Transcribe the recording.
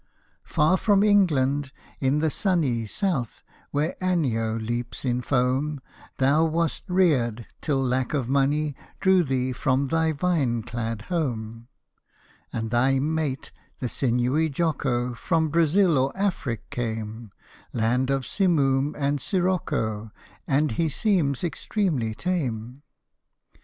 Far from England, in the sunny South, where Anio leaps in foam, Thou wast rear'd, till lack of money Drew thee from thy vineclad home: And thy mate, the sinewy Jocko, From Brazil or Afric came, Land of simoom and sirocco— And he seems extremely tame.